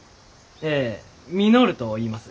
ええ稔といいます。